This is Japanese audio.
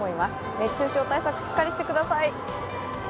熱中症対策しっかりしてください。